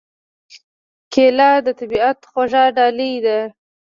کېله د طبیعت خوږه ډالۍ ده.